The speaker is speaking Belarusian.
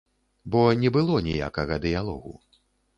Бо не было ніякага дыялогу.